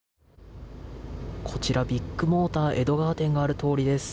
こちらビッグモーター江戸川店がある通りです。